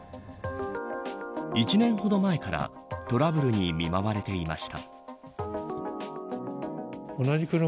１年ほど前からトラブルに見舞われていました。